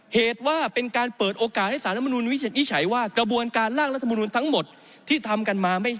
เหตุว่าเป็นการเปิดโอกาสให้สารรัฐมนุนวินิจฉัยว่ากระบวนการล่างรัฐมนุนทั้งหมดที่ทำกันมา